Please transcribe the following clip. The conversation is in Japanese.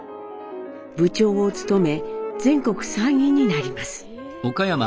部長を務め全国３位になります。